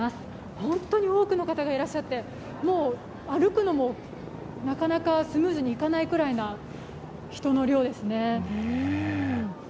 本当に多くの方がいらっしゃって、歩くのもなかなかスムーズにいかないくらいな人の量ですね。